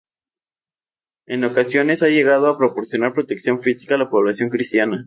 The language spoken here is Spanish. En ocasiones, ha llegado a proporcionar protección física a la población cristiana.